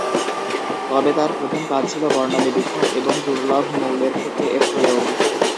তবে তাঁর প্রধান কাজ ছিল বর্ণালিবীক্ষণ এবং দূর্লভ মৌলের ক্ষেত্রে এর প্রয়োগ।